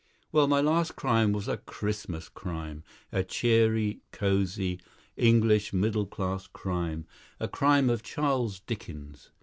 "Well, my last crime was a Christmas crime, a cheery, cosy, English middle class crime; a crime of Charles Dickens.